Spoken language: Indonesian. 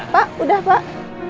pak udah pak